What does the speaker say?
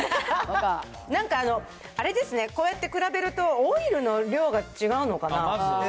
なんか、あれですね、こうやって比べるとオイルの量が違うのかな？